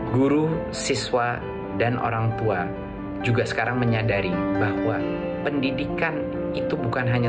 guru siswa dan orang tua juga sekarang menyadari bahwa pendidikan itu bukan hanya